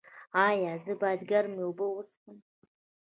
ایا زه باید ګرمې اوبه وڅښم؟